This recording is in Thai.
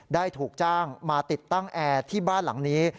ได้ถูกจ้างมาติดตั้งแอร์ที่บ้านหลังนี้